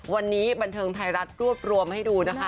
วันนี้บันเทิงไทยรัฐรวบรวมให้ดูนะคะ